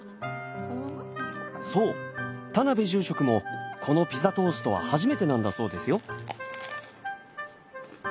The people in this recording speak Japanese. そう田邊住職もこのピザトーストは初めてなんだそうですよ。